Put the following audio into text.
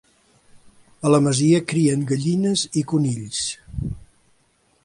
A la masia crien gallines i conills.